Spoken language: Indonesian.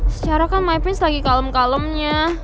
secara kan my prince lagi kalem kalemnya